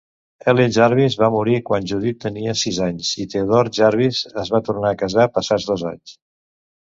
Helen Jarvis va morir quan Judith tenia sis anys, i Theodore Jarvis es va tornar a casar passats dos anys.